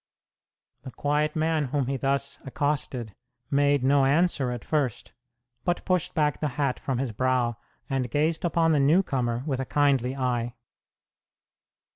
The quiet man whom he thus accosted made no answer at first, but pushed back the hat from his brow and gazed upon the newcomer with a kindly eye.